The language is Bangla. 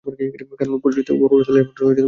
কারণ, পুরুষোচিত বর্বরতার লেশমাত্র তাহার ছিল না।